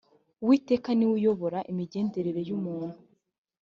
uwiteka ni we uyobora imigendere y umuntu